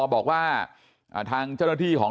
บอกว่าทางเจ้าหน้าที่ของ